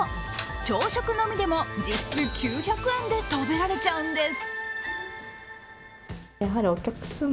朝食のみでも実質９００円で食べられちゃうんです。